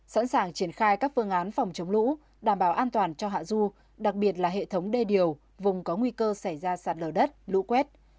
sẵn sàng triển khai các phương án phòng chống lũ đảm bảo an toàn cho hạ du đặc biệt là hệ thống đê điều vùng có nguy cơ xảy ra sạt lở đất lũ quét